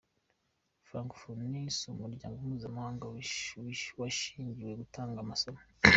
Francophonie si umuryango mpuzamahanga washingiwe gutanga amasomo.”